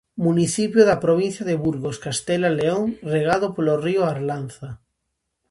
Municipio da provincia de Burgos, Castela-León, regado polo río Arlanza.